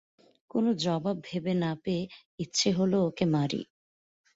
কোনো জবাব ভেবে না পেয়ে ইচ্ছে হল ওকে মারে।